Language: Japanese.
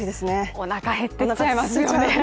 おなか減ってきちゃいますよね。